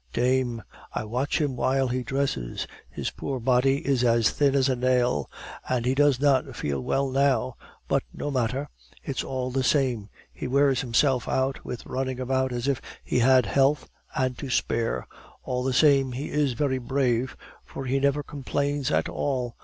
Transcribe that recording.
Dame! I watch him while he dresses; his poor body is as thin as a nail. And he does not feel well now; but no matter. It's all the same; he wears himself out with running about as if he had health and to spare. All the same, he is very brave, for he never complains at all.